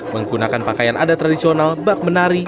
menggunakan pakaian adat tradisional bak menari